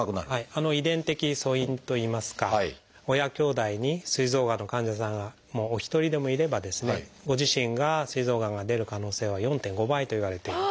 遺伝的素因といいますか親きょうだいにすい臓がんの患者さんがお一人でもいればご自身がすい臓がんが出る可能性は４．５倍といわれている。